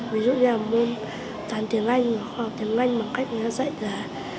ví dụ như là môn tàn tiếng anh và khoa học tiếng anh bằng cách người ta dạy là